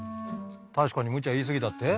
確かにむちゃ言い過ぎたって？